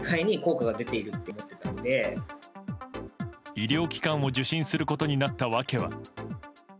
医療機関を受診することになった訳は。